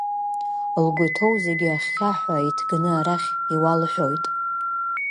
Лгәы иҭоу зегьы ахьхьаҳәа иҭганы арахь иуалҳәоит.